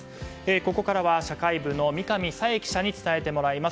ここからは社会部の三上紗永記者に伝えてもらいます。